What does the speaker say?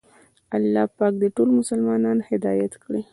الله پاک دې ټول مسلمانان هدایت کړي.